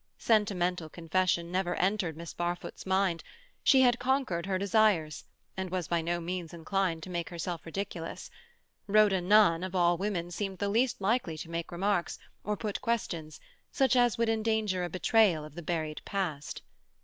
Sentimental confession never entered Miss Barfoot's mind; she had conquered her desires, and was by no means inclined to make herself ridiculous; Rhoda Nunn, of all women, seemed the least likely to make remarks, or put questions, such as would endanger a betrayal of the buried past.